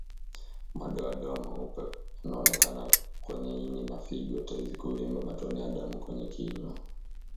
Madoadoa meupe yanaonekana kwenye ini na figoTezi kuvimba Matone ya damu kwenye kinywa